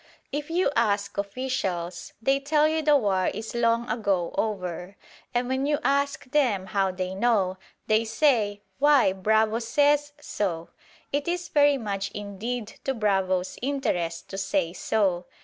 If you ask officials, they tell you the war is long ago over; and when you ask them how they know, they say, "Why, Bravo says so!" It is very much indeed to Bravo's interest to say so.